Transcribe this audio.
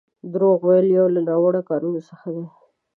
دروغ ويل يو له ناوړو کارونو څخه دی.